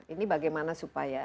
ini bagaimana supaya